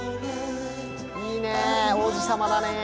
いいね王子さまだね。